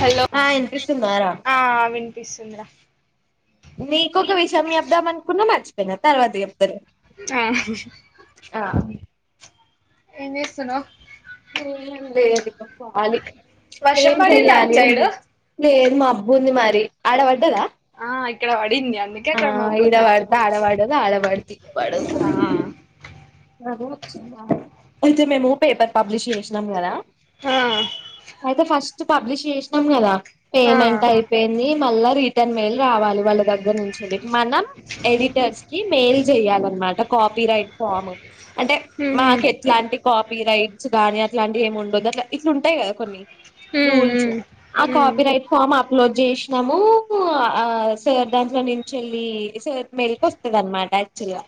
Hello ఆ వినిపిస్తున్నారా ఆ వినిపిస్తుంద్రా నీకొక విషయం మీ అప్ద్దాం అనుకున్నా మచ్చ ప తర్వాతి ఆ ఆ ఎనచేస్తున్న అంతే అది పోలి వర్షం ఏం పడిందా అటు చెయాలి సైడు అని లేదు మా అబ్బుంది మరి ఆడ పడ్డదా ఆ ఇక్కడ వాడి ఇంద అందు క్యాకడ మ భూంది అంత లా అలవాడతి పడు చ్చ అయితే మేము పేపర్ పబ్లిష్ చేసినాం కదా హా అయితే ఫస్ట్ పబ్లిష్ చేసినాం కదా ఆ పేమెంట్ అయిపోయింది మళ్ళా రిటర్న్ మెయిల్ రావాలి వాళ్ళ దగ్గర నుంచి మనం ఎడిటర్స్ కి మెయిల్ చెయాలన్నమాట కాపీ రైట్ ఫామ్ అంటే ఉహు మాకు ఎట్లాంటి కాపీ రైట్ కాగానీ అట్లాంటి ఏమి ఉండదు అట్లా ఇట్లు ఉంటాయి కదా కొన్ని ఉహు రూల్స్ ఆ ఉ కోపీరాయిట్ ఫార్మ అట్లో చేసినాము ఆ సర్ దాంట్లో నుంచి వెళ్ళి స మెల్కి వస్తంది అనమాట యాక్చువల్గా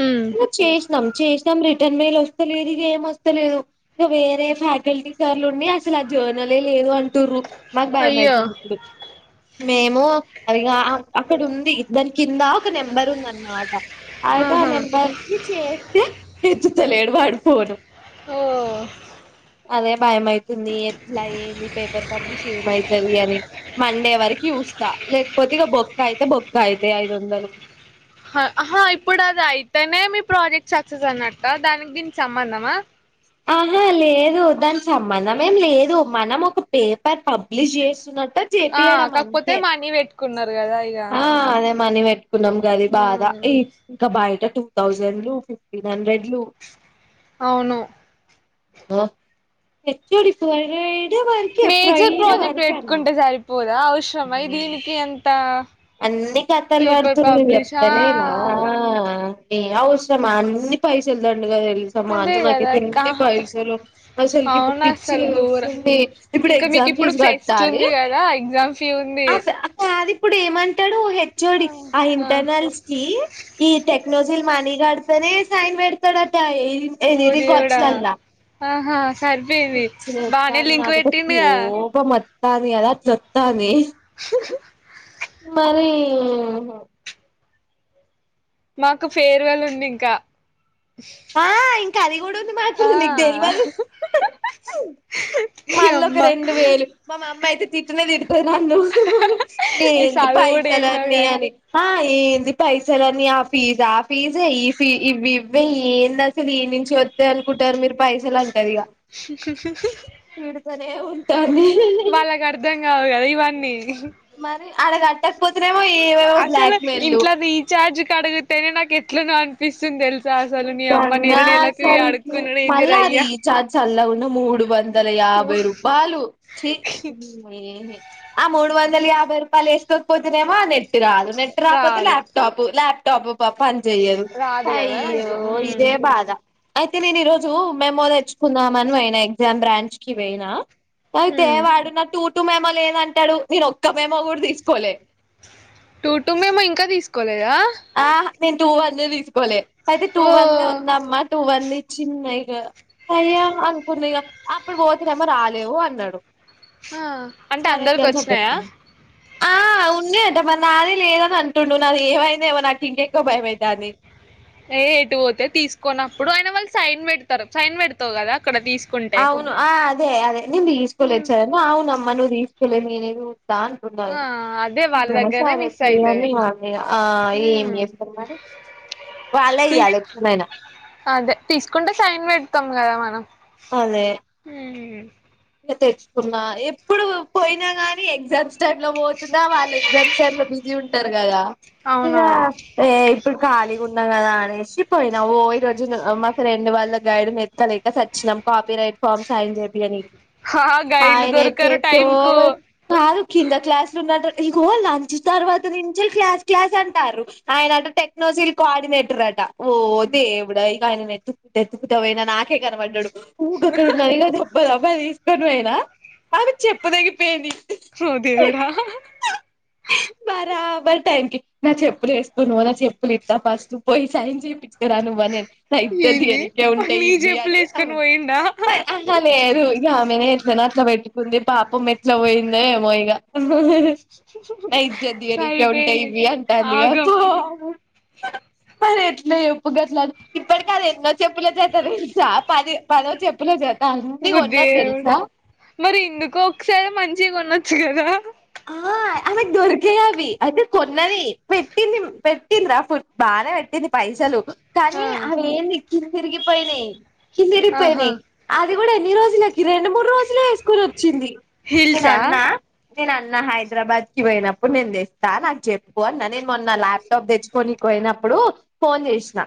ఉ ఇ చేసినాం చేసాం రిటర్న్ మేలు వస్తలేదు ఇక ఏం వస్తలేదు ఇక వేరే ఫ్యాకల్టీ సార్లుండి అసలు ఆ జర్నలే లేదు అంటు్ర మాకు భయ అయ్యో అవుతుంది ఇప్పుడు మేము అదిగా అక్కడ ఉంది దాని కింద ఒక నెంబర్ ఉంద అన్నమాట అయితే ఆ ఆహా నెంబర్కి చే ఎత్తులేడు వాడు ఫోన్ ఓ అదే భయం అయితుంది ఎట్ల ఏంది పేపర్ పబ్లిష్ ఏమైతది అని మండే వరకు చూస్తా లేక్పోతే ఇగ బొక్క అయితే బొక్క అయితే ఐదు వందలు హ అహ ఇప్పుడదయితేనే మీ ప్రాజెక్ట్ సక్సెస్ అన్నట్ట దానికి దీనికి సంబంధమా ఆహా లేదు దానిక్ సంబంధం ఏం లేదు మనం ఒక పేపర్ పబ్లిష్ చేస్తున్న ట్టు ఆ చేపియడం కాకపోతే అంతే మనీ పెట్టుకున్నారు కదా ఇగ ఆ అదే మనీ పెట్ న్నాం గది బాధ ఈ ఇంకా బయట టూ థౌజండ్లు ఫిఫ్టీన్ హండ్రెడ్లు అవును హెట్ఒడి ప్రైవేట్ మేజర్ ప్రాజెక్ట్ పెట్టుకుంటే సరిపోదా అ చ వైదేహినికి ఎం తా అన్నీ కత్తల్ పడుతుంది ఆ చెప్తలేనా ఏ అవుసరమా అన్ని పైసల్ ముల్గా తెల్సా అదే మానస కదా నాకైతే అక్క ఎన్ని పైసలో అసల్కి ఇప్పుడు అవును పిచ్చి అసలు ఘోర లేస్తుంది. ఇప్పుడ్ ఇంకా మీకు ఎగ్జామ్ ఇప్పుడు ఫీజ్ ఫెస్ట్ కట్టాలి. ఉంది కదా ఎగ్జామ్ ఫీ ఉంది ఆ ఫ్యా ఆ ఇప్పుడే మంటడు. హెచ్ఓడి ఆ ఇంటర్నల్స్కి ఈ టెక్ నోజిల్ మనీ గడ్తనే సైన్ పెడ్తడట. ఏ ఓ దేవుడా ఆహా సరిపోయింది బానే పిచ్చిలేత్తాంది లింక్ పెట్టిందిగా త్తాంది కదా చెత్తామే మరీ మాకు ఫేర్వెల్ ఉంది ఇంకా ఆ ఇంకా అది గుడుంది మాకు ఆ నీక్ తెల్వదు. మల్లొక అమ్మ రెండు వేలు మా మమ్మయితే తిట్టనే తిడ్తది నన్ను ఈ ఏంది చదువు కూడా ఏందో పైసలన్నీ గాని అని ఏంది పైసలన్నీ ఆ ఫీజా ఫీజ్ [unintelligible] ఏంది అసల్ ఎడ్నుంచి వత్తయి అనుకుంటాన్రు మీరు పైసలన్ తిడుతనే ఉంటాంది వాళ్ళక్ అర్థం కావు కదా ఇవన్నీ అ మరి ఆడ కట్ ట్టక్ పోతేనేమో ఏవేవో అసలు బ్లాక్ మెయిల్లు ఇంట్ల రీఛార్జ్ అడిగితేనే నాక్ ఎట్లనో అనిపిస్తుం తెల్ నిజంగా సన్ అడుక్కునుడు ఏందిరా మళ్ళా అయ్యా రీచార్జ్ చల్లగుండ మూడు వందల యాభై రూపాలు చి ఆ మూడు వందల యాభై భై రూపాయల్ ఏస్కోకపోతేనేమో నె ట్ రాదు. నెట్ రాక్పోతే రాదు ల్యాప్టాప్ ల్యాప్ టబు బ పన్ జేయ్యదు రాదు ఐ కదా అయ్యో నాకు ఉమ్ ఇదే బాధ అయితే నేను ఈరోజు మెమో తెచ్చుకుదాం మని బోయినా ఎగ్జామ్ బ్రాంచ్ కి బోయినా అయితే ఉమ్ వాడు నాటూ టు మెమో లేదంటడు మిరో టూ టూ మెమో ఇంకా తీసుకోలేద్ ఆహ్హ్ నేన్ టూ వన్దే తీసుకోలే అయితే టూ వన్దే ఉందమ్మా టూ వన్దే ఇచ్చింది నాయ్ గ అయ్యా అనుకుంది ఇగ అప్పుడు బోతే నేమో రాలేవు అన్నాడు ఆహ్ అంటే అందరికి వచ్చినాయా ఆహ్హ్హ్హ్ ఉంది అంట మరి నాది లేదని అంటుండు నాది ఏమై ఏమో నాకు ఇంకెక్కువ భయమయితాంది ఏ ఇటు ఒతే తీసుకున్నప్పుడు అయిన వాళ్ళు సైన్ వెడ్తారు సైన్ వెడ్తావ్ కదా ఇక్కడ తీసుకుంటే దే అదే నేన్ దీస్కొలేచ్చా అవున్నమ్ మర్ నువ్ దీస్కోలే నేనేగా తా అంటున్నారు ఆ అదే వాళ్ళ హ్మ్ దగ్గరనే సరే మిస్ తీయ్ అయితది మీ మామ్నీ ఆహ్హ్ ఏం ఉమ్ చేస్తాం మరి వాళ్ళే ఇయ్యాలి వచ్చిందైనా కంగారే మేడం హ్మ్ స ఇగ తెచ్చుకున్నా ఎప్పుడు పోయినా గాని ఎగ్జామ్స్ చ్చట్లో బోతుందా వాళ్ళు ఎగ్జామ్స్ టైమ్ లో బిజీ ఉంటార్ గదా ఇగా అవునవును ఏ ఇప్పుడు ఖాళీగా ఉన్నా గదా అనేస్. చ్చిపోయినా ఓ ఈ రోజు న అహ్ మా ఫ్రెండ్ వాళ్ళ గైడ్ ఎత్తలేక చచ్చినాం కాపీ రైట్ ఫామ్ సైన్ జేపియ్యనికి. హా గైలు ఆయన దొరకరు ఎటెటో టైం కు వెళ్ కాదు కింద క్లాస్లు లో ఉన్నట్ ఇగో లంచ్ తర్వాత నించే క్లాస్ క్లాస్ అంటారు ఆయనంట టెక్నోజీల్ కోఆర్డినేటర్ అట ఓహ్ దేవుడయ్ గాయనన్ వెతుకుంటు ఎతుకుతా బోయినా నాకే గనబడ్డడు ఊగక్కడున్నాయ్ గా దబ్బ దబ్బదీస్ రెండువేల అవి చెప్పుదెగిపోయింది ఓ దేవుడా బరాబ్ వాళ్ టైమ్కి నాచెప్పుల్ వెసుకున్నావ నా చెప్ ప్పులిత్తా ఫస్ట్ పోయి సైన్ చేపిచ్చక రా నువ్ [inaudible] నా ఇద్దరు ది ఏంది అని [inaudible] ఉంటాయి నీ ఇవ్వి చెప్పులు అని [inaudible] వేసుకొని పోయిండా ఆహా లేదు గామెనే ఎట్లనా అట్ల పెట్టుకుంది పాపం ఎట్లా పోయిందో ఏమో ఇగ నా ఇజ్జత్ దీయనీకే ఉంటాయి సరిపోయింది ఇవ్వి అంటాందిగా ఆగం మరెట్లు ఎప్పు గట్ల ఇప్పటికదెన్నో చెప్పుల జత [unintelligible] తెలుసా పది పదో చెప్పుల జ టంది ఒన్న టెవ్ మరిందుకో ఒకసారి మన్ చి గొనచ్చు గదా ఆ యామకి దొరికే అవి అయితే కొన్నది పె పెటింది పెట్ందరా ఫు బానే పెట్టటింది పైసలు కానీ ఆ అవి ఏం చి తరికి పైనా ఆహా హిసిరిపోది అది కూడా నిరోజిన ఈ రెండు మూడు రోజులే హై స్కూల్ వచ్చింది నేను హిల్సా అన్నా నేను అన్న హైదరాబాద్ కి పోయినప్పుడు నేను తెస్తా నాకు చెప్పు అన్నా నేను మొన్న ల్యాప్టాప్ తెచ్చుకని పోయినప్పుడు ఫోన్ చేసినా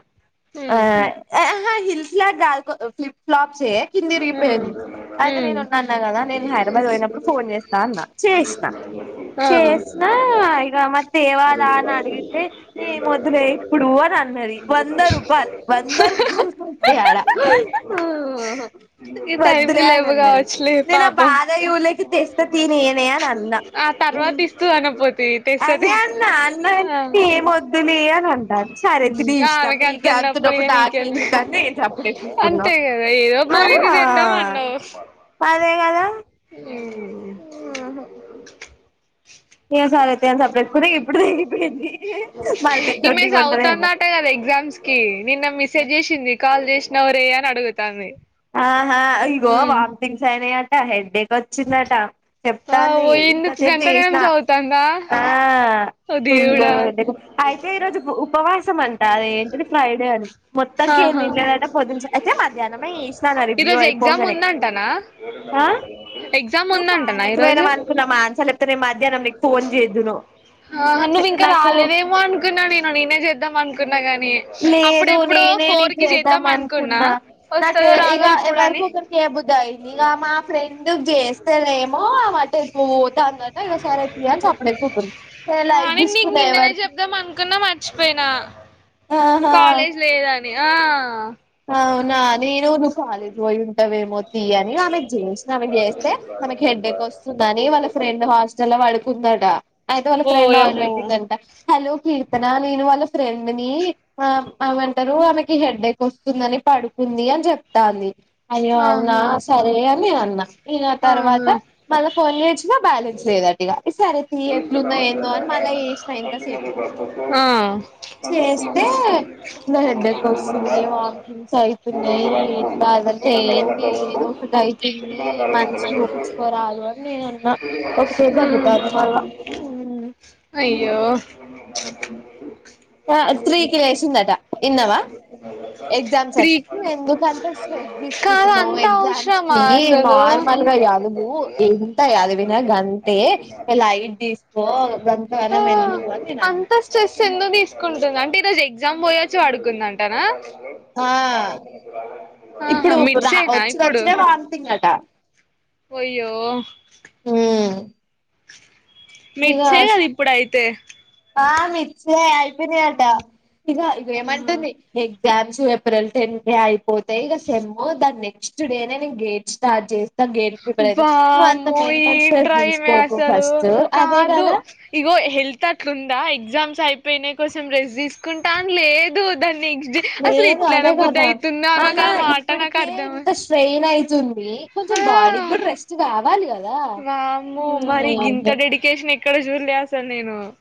ఆ హ్మ్ హ హిల్స్ ల ఫ్లిప్ ఫ్లాప్ కింది హ్మ్ తరిగిపోయింది అయితే నేను హ్మ్ ఉన్నా అన్నా కదా నేను హైదరాబాద్ పోయినప్పుడు ఫోన్ చేస్తా అన్న చేసిన ఆ చేసినా ఇక మ తేవాలా అని అడిగితే ఏ వొదలే ఇప్పుడు అని అన్నది వంద రూపాయలు వంద రూపాయలుకిస్తే ఆడా టైం కు లేవు కావచ్చులే నేను ఆ పాపం బాధ యువులకి తెస్తా తీ నేనే అని అన్నా ఆ తర్వాత ఇస్తుదను అదే అన్న అన్న ఆ [unintelligible] ఏం వద్దులే అని అంటాను సరే తి నీ ఇగ ఇష్టం ఆమెకి అంత నీకే ఉన్నప్పుడు ఇగ అంతున్నప్పుడు నాక్ నీకెందుకు ఎందుకుని తప్పుడు ఎత్తుకున్న ఇది తెద్దాం అన్నావ్ హ్మ్ ఆహా ఇప్పుడు తెగిపోయింది మళ్ళీ ఈమే దొడ్డి కొంటదేమో జవుతాన్నట్టే కదా ఎగ్జామ్స్ కి నిన్న మిసేజ్ చేసింది కాల్ చేస్ నవ్వరేయన్ అడుగుతాంది ఆహా ఇగో ఉమ్ వాంతింగ్స్ అయినాయట హెల్త్ డెక్ వొచ్చిందట వావ్ చెప్తాంది ఎందుకు ఇంతసేపు గంతగనం చేసినా చదువుతాందా ఆ ఓ ఫుల్లు దేవుడా కు అయితే ఈరోజు ఉ ఉపవాసం అంట అది ఏంటిది ఫ్రైడే అని మొత్తంకే ఏం ఆహా తినలేదట పొద్దునుంచ్ అయితే మధ్యాహ్నమే చేస్ ఈ రోజు ఎగ్జామ్ ఉందంటనా ఆ ఎగ్జామ్ నువ్వు ఉందం ఐ కాలేజ్ రోజు పోయినవ్ అనుకున్నా మానస లేకపోతే నేను మధ్యాహ్నం నీకు ఫోన్ చేద్దును నాకు నువ్ ఇంకా నాకు రాలేదేమో అనుకున్నా నేను నేనే చేద్దాం అనుకున్నా కానీ లేదు నేనే నీక్ చేద్దాం అనుకున్నా నాకు వస్తదో ఇగ రాదో ఇప్పుడని. ఎవరికో ఒకరికి చేయబుదైంది ఇగ మా ఫ్రెండ్ కి చేస్తేనేమో ఆమె అటు ఎడికో పోతా అందటా ఇంగ సరే తీ అని సప్పుడు సేయక కూకున్నం నేన్ ఆ! లైట్ నేను నీకు తీసుకున్న నిన్ననే ఎవరి చెప్దాం అనుకున్నా మర్చిపోయినా. కాలేజ్ లేదా ని ఆ అవునా నేను నువ్వు కాలేజీకి పోయి ఉంటావేమో తీ అని ఆమెకి చేసినా ఆమెకి చేస్తే మనకి హెడ్డేక్ వస్తుందని వాళ్ళ ఫ్రెండ్ హాస్టల్లో పడుకుందట అయితే వాళ్ళ ఫ్రెండ్ ఆయిళ్ల్ ఓయమ్మో! పెట్టిందంట హలో కీర్తన నేను వాళ్ళ ఫ్రెండ్ ని ఆ ఎమంటరు ఆమెకి హెడ్ వస్తుందని పడుకుంది అని చెప్తాంది అయ్యో అవునా ఆహా! సరే అని నేన్ అన్నా నా ఈగా తర్వాత ఆహా! మళ్ళ ఫోన్ చేచినా బ్యాలెన్స్ లేదా టీగ చేసిన ఇంతసేపు చేస్తే ఇట్లా హెడ్డేక్ ఆ వస్తుంది వామిటింగ్స్ అయితున్నయి ఇట్లా అంటే ఏంటి ఏదో ఒకటి అయితుంది మంచిగ చూపిచుకోరాదు అని నేన్ అన్నా ఒకటే దగ్గుతాంది మ అయ్యో త్రీకిి లేసిందట ఇన్నవా ఎగ్జామ్స్ అని నువ్వు ఎందుకంత స్ట్రెస్ కాదు తీసుకుంటున్నావ్ అంత ఎగ్జామ్స్ అవసరమా కి అసలు? నార్మల్ గా చదువు ఎంత చదివినా గంటే లై తీసుకో ఆ గంతగనం ఎందుకు అని నేన్ అన్న అంత స్ట్రెస్ ఎందుకు తీసుకుంటుంది అంటే ఈరోజు ఎగ్జామ్ పోయొచ్చి పడుగుందంటనా ఆ ఆహా ఇప్పుడు రా మిడ్సేనా వచ్చుడొచ్చుడే వాంతింగ్ అట ఒయ్యో హ్మ్ అ మిడ్స్ ఎ కదా ఇప్పుడైతే ఆ మిడ్స్ ఎ అ పొయినియ్ అంట ఇక ఇక ఆహా ఏమంటుంది ఎగ్జామ్స్ ఏప్రిల్ టెన్ కి అయిపోతాయి ఇగ సెము దాని నెక్స్ట్ డేనే నేను గేట్ స్టార్ట్ చేస్త వామ్మో స్ట్రెస్ ఎంట్రా ఇమె తీసుకోకు అసలు ఫస్ట్ అదే కాదు కదా ఇగో హెల్త్ అట్లుందా ఎగ్జామ్స్ అయిపోయినయ్ కోంచెం రెస్ట్ తీసుకుంటా అని లేదు దాన్ని లేదు అదే కదా ఆహ ఆమెకు ఆ మాట నాకు ఇప్పటికే అర్థం ఇంత స్ట్రెయిన్ అయితుంది కొంచెం బాడీ ఆ ఇప్పుడు రెస్ట్ కావాలి కదా వామ్మో మరి గింత డెడికేషన్ ఎ ఎక్కడ జూడ్లే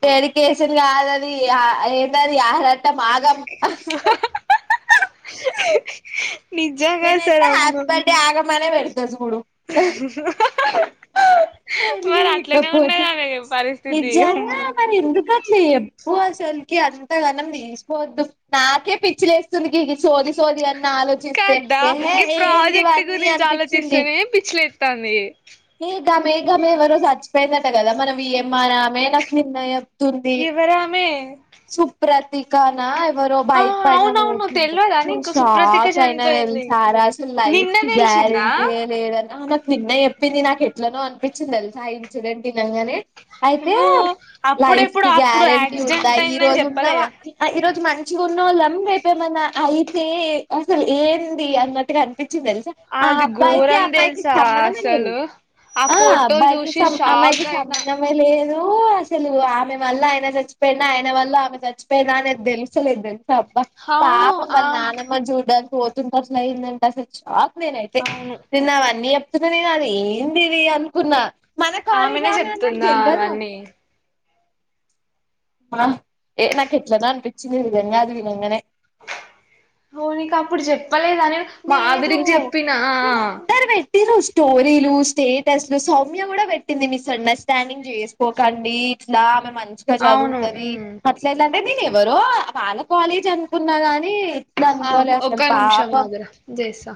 డెరికేషన్ కాదది యా ఏందది ఇక ఆగాం నిజంగా నేనైతే అసలు హ్యాపీ అమ్మో బర్త్డే ఆగం మన వెళ్ గుడు మళ్లీ మరి అట్లనే ఉన్నది ఇకపోతే ఆమె పరిస్థితి నిజంగా అమ్మో మరి ఎందుకు అట్లే చెప్పు అసల్కి అంత ఘనం తీసుకోవద్దు నాకే పిచ్చిలేస్తుంది సోది అన్న ఆలోచిస్తే కద్దా ఏహే గీ ఏంది ప్రాజెక్ట్ ఇవన్నీ గురించి అనిపించింది ఆలోచిస్తేనే పిచ్చిలేత్తాంది ఏ గమే గమె ఎవరో సచ్చిపోయిందట గదా మనం ఈఎంఆర్ ఆమె నాకు నిన్న చెప్తుంది ఎవరామే ది కానా ఎవరో బైక్ పైన మూతుంటే తెల్వదా నీకు సుప్రతిక షాక్ అయినా చనిపోయింది తెలిసారా అసలు లైఫ్ నిన్న కి తెలిసిందా గ్యారెంటీయ లేదని నాకు నిన్న చె ఎట్లనో అనిపించింది తెలుసా ఇన్సిడెంట్ వినంగానే అయితే నువ్వు లైఫ్ అప్పుడెప్పుడు కి అప్పుడు గ్యారెంటీ ఉందా యాక్సిడెంట్ ఈ అయిందని రోజు ఉన్న మా చెప్పలేదా ఈ రోజు మంచిగా ఉన్నోళ్ళు అ ఏమన్నా అయితే అసలు ఏంది అన్నట్టుగా అని అనిపించిది తెలుసా ఆ అది అబ్బాయికి ఘోరం ఆ అమ్మాయికి తెలుసా సమ్మందమే లేదు అసలు ఆ ఫోటో అబ్బాయికి చూసి సం అమ్మాయికి షాక్ అయినా సమ్మందమే లేదు అసలు ఆమె వల్ల ఆయన చచ్చిపోయినా ఆయన వల్ల ఆమె చచ్చిపోయినా అనేది తెలుస్తలేదు తెల్ బ్బ అవును పాపం ఆ వాళ్ళ నానమ్మ చూడం పోతుంటే అట్లందంట సచ్ నేనైతే అవును నిన్నావన్నీ [unintelligible] ఎందిది అనుకున్నా మన కాలేజ్ ఆమెనే ఆమె అని నాకు చెప్తుందా తెల్వదు అవన్నీ ఏ నాకు ఎట్లనా అనిపించింది నిజంగా అది వినంగానే నీకు అప్పుడు చెప్ అవ్వలేదని లేదు మావిరించి చెప్పిన వీళ్ళు అందరు స్టోరీలు స్టేటస్లు సౌమ్య కూడా పెట్టింది మిస్ అండర్స్టాండింగ్ చేసుకోకండి ఇట్లా ఆమె మంచిగా అవును చదువుతది ఉమ్ అట్లెట్లఅన్ అేది నేవరో వాళ్లకు వాళ్లే చదువుకున్నార అన్ తీ ఇట్లా ఆ అనుకోలే ఒక్క అసలు నిమిషం పాపం ఆగురా చేస్తా